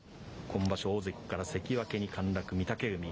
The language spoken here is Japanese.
今場所、大関から関脇に陥落、御嶽海。